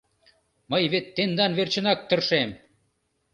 Мый вет тендан верчынак тыршем!